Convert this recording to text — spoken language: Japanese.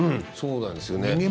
そうなんですよね。